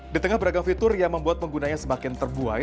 di tengah beragam fitur yang membuat penggunanya semakin terbuai